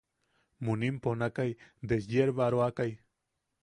Munim ponakai desyerbaroakai.